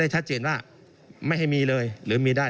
ชัดเจนว่าไม่ให้มีเลยหรือมีได้